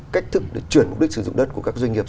cách thức để chuyển mục đích sử dụng đất của các doanh nghiệp